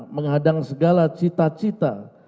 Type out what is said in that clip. menghadang segala cita cita